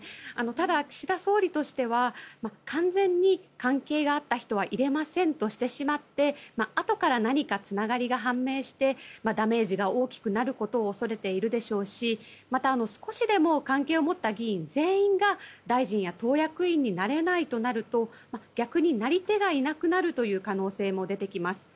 ただ、岸田総理としては完全に関係があった人は入れませんとしてしまってあとから何かつながりが判明してダメージが大きくなることを恐れているでしょうしまた、少しでも関係を持った議員全員が大臣や党役員になれないとなると逆に、なり手がいなくなるという可能性も出てきます。